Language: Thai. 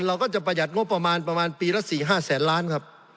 เราก็จะประหยัดงบประมาณประมาณปีละ๔๕แสนล้านครับ